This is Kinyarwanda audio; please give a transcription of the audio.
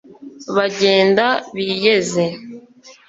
Bagenda b'iyeze